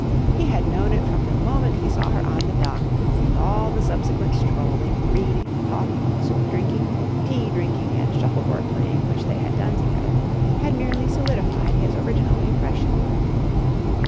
He had known it from the moment he saw her on the dock, and all the subsequent strolling, reading, talking, soup drinking, tea drinking, and shuffle board playing which they had done together had merely solidified his original impression.